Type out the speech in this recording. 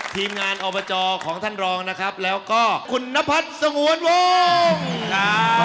ทีมงานอบจของท่านรองนะครับแล้วก็คุณนพัฒน์สงวนวงครับ